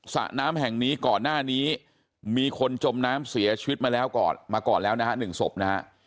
สะน้ำแห่งนี้ก่อนหน้านี้มีคนจมน้ำเสียชีวิตมาก่อนแล้วนะครับ๑ศพนะครับ